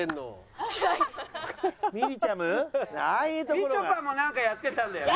みちょぱもなんかやってたんだよね。